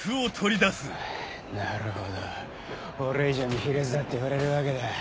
なるほど俺以上に卑劣だって言われるわけだ。